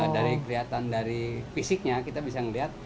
dari kelihatan dari fisiknya kita bisa melihat